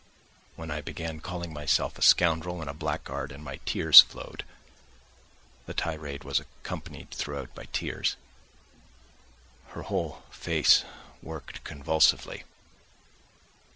When I began calling myself a scoundrel and a blackguard and my tears flowed (the tirade was accompanied throughout by tears) her whole face worked convulsively.